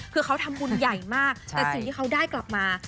คือเขาทำบุญใหญ่มากแต่สิ่งที่เขาได้กลับมา